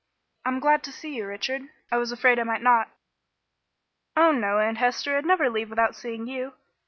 "I'm glad to see you, Richard; I was afraid I might not." "Oh, no, Aunt Hester. I'd never leave without seeing you.